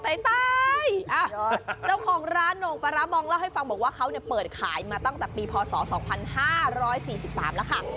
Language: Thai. เจ้าของร้านโหน่งปลาร้าบองเล่าให้ฟังบอกว่าเขาเปิดขายมาตั้งแต่ปีพศ๒๕๔๓แล้วค่ะ